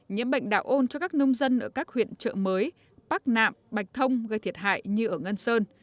nhiễm bệnh đạo ôn cho các nông dân ở các huyện trợ mới bắc nạm bạch thông gây thiệt hại như ở ngân sơn